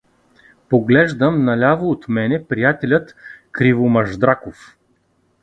Поглеждам: наляво от мене приятелят Кривомаждраков.